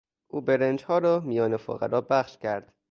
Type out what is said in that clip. او برنجها را میان فقرا بخش کرد.